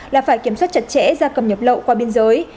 là phải kiểm soát chặt chẽ gia cầm nhập lậu qua biên giới